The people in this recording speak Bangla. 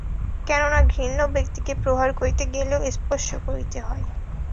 কেন না ঘৃণ্য ব্যক্তিকে প্রহার করিতে গেলেও স্পর্শ করিতে হয়।